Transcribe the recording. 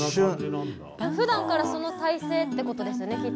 普段からその体勢ってことですよね